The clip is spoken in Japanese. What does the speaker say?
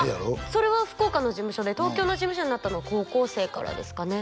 それは福岡の事務所で東京の事務所になったのは高校生からですかね